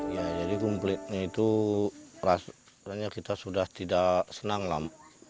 ya jadi komplitnya itu rasanya kita sudah tidak senang lah